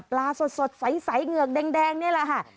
ปลาสดสดใสน์ใส่เหงือกแดงนี่แหละค่ะ